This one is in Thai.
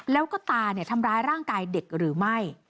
แล้วก็ตาทำร้ายร่างกายเด็กหรือไม่